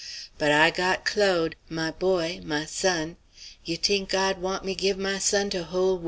But I got Claude, my boy, my son. You t'ink God want me give my son to whole worl'?"